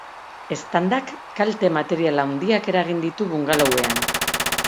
Eztandak kalte material handiak eragin ditu bungalowean.